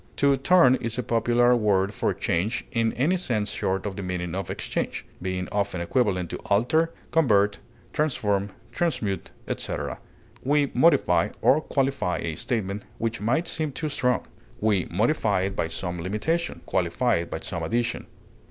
To turn is a popular word for change in any sense short of the meaning of exchange, being often equivalent to alter, convert, transform, transmute, etc. We modify or qualify a statement which might seem too strong; we modify it by some limitation, qualify it by some addition.